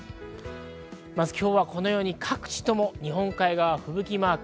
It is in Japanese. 今日はこのように各地とも日本海側は吹雪マーク。